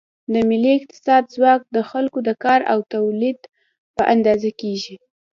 د ملي اقتصاد ځواک د خلکو د کار او تولید په اندازه کېږي.